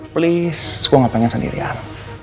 please gue nggak pengen sendirian